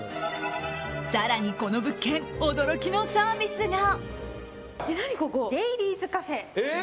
更にこの物件、驚きのサービスが。